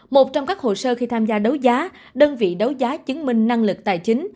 một trong các hồ sơ khi tham gia đấu giá đơn vị đấu giá chứng minh năng lực tài chính